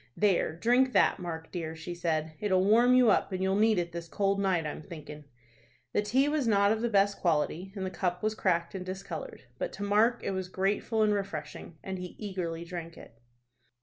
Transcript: "There, drink that, Mark dear," she said. "It'll warm you up, and you'll need it this cold night, I'm thinkin'." The tea was not of the best quality, and the cup was cracked and discolored; but to Mark it was grateful and refreshing, and he eagerly drank it.